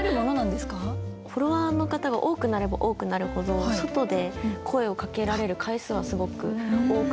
フォロワーの方が多くなれば多くなるほど外で声をかけられる回数はすごく多くなって。